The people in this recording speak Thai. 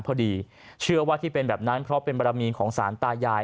พอดีเชื่อว่าที่เป็นแบบนั้นเพราะเป็นบรมีของสารตายาย